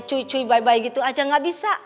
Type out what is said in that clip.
cui cui bye bye gitu aja gak bisa